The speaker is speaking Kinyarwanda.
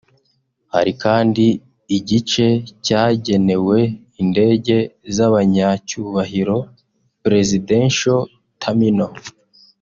Hari kandi igice cyagenewe indege z’abanyacyubahiro (Presidential Terminal)